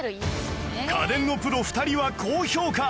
家電のプロ２人は高評価